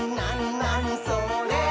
なにそれ？」